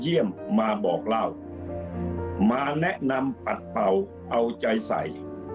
เยี่ยมมาบอกเล่ามาแนะนำปัดเป่าเอาใจใส่